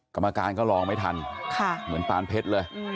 กรรมการก็ลองไม่ทันเหมือนปานเพชรเลย